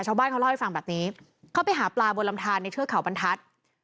ชาวบ้านเขาเล่าให้ฟังแบบนี้เข้าไปหาปลาบนลำทานในเทือกเขาบรรทัศน์